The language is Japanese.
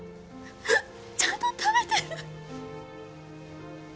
ちゃんと食べてる？